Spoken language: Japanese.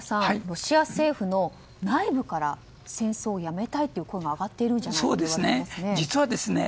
ロシア政府の内部から戦争をやめたいという声が上がっているんじゃないかと言われていますね。